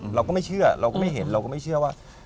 เราก็ไม่เชื่อเราก็ไม่เห็นเราก็ไม่เชื่อว่า